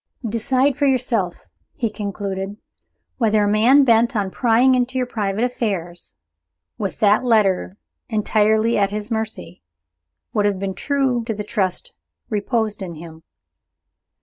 "Decide for yourself," he concluded, "whether a man bent on prying into your private affairs, with that letter entirely at his mercy, would have been true to the trust reposed in him."